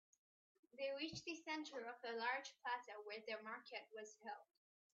They reached the center of a large plaza where the market was held.